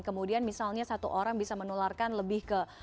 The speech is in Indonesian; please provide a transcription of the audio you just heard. kemudian misalnya satu orang bisa menularkan lebih ke